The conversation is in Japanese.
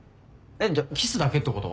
じゃあキスだけってこと？